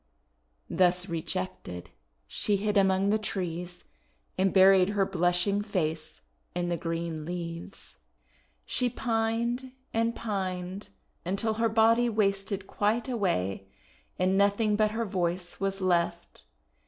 Thus rejected, she hid among the trees, and buried her blushing face in the green leaves. 18 THE WONDER GARDEN She pined and pined, until her body wasted quite away, and nothing but her voice was left.